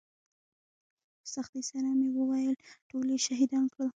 په سختۍ سره مې وويل ټول يې شهيدان کړل.